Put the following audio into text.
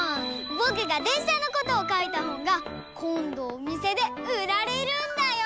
ぼくがでんしゃのことをかいたほんがこんどおみせでうられるんだよ！